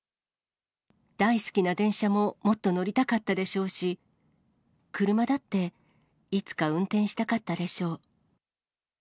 大好きな電車ももっと乗りたかったでしょうし、車だっていつか運転したかったでしょう。